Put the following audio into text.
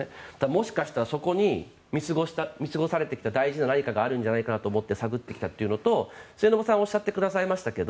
もしかしたらそこに見過ごされてきた大事な何かがあるんじゃないかと思って探ってきたというのと末延さんがおっしゃってくださいましたが